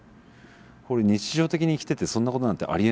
これ日常的に生きててそんなことなんてありえないんですよ。